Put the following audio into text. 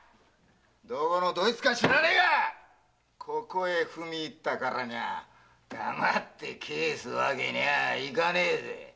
どこのどいつか知らねえがここへ踏み入ったからには黙って帰すわけにはいかねえぜ。